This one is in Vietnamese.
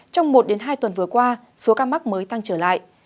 trong một hai tuần vừa qua số ca mắc mới tăng trở lại